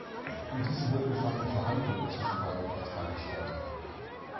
In diesen Hütten fanden Verhandlungen zwischen beiden Parteien statt.